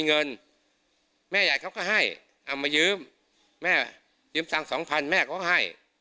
เงินแม่ใหญ่เขาก็ให้เอามายืมยืมตัง๒๐๐๐แม่ก็ให้